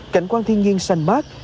cảnh quan thiên nhiên xanh mát